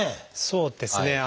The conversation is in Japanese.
そうですね。